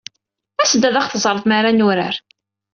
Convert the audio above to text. As-d ad aɣ-teẓreḍ mi ara nurar.